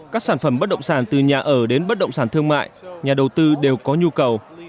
các sản phẩm bất động sản từ nhà ở đến bất động sản thương mại nhà đầu tư đều có nhu cầu